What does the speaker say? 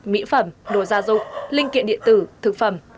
mỹ phẩm đồ gia dụng linh kiện điện tử thực phẩm